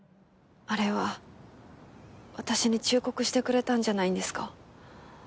あれは私に忠告してくれたんじゃないんですか？